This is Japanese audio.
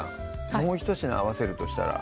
もうひと品合わせるとしたら？